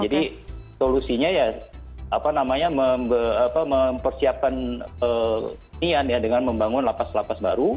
jadi solusinya ya apa namanya mempersiapkan hunian ya dengan membangun lapas lapas baru